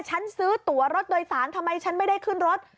ซื้อตัวรถโดยสารทำไมฉันไม่ได้ขึ้นรถ